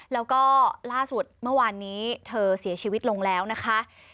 แล้วก็ล่าสุดเมื่อวานนี้เธอเสียชีวิตลงแล้วนะคะ